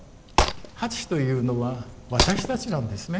８というのは私たちなんですね。